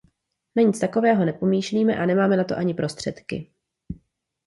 Na nic takového nepomýšlíme a nemáme na to ani prostředky.